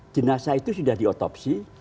jenazah itu sudah diotopsi